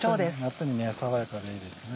夏に爽やかでいいですね。